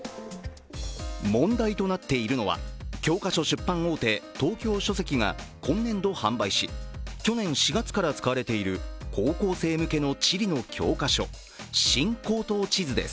問題となっているのは、教科書出版大手、東京書籍が今年度販売し、去年４月から使われている高校生向けの地理の教科書「新高等地図」です。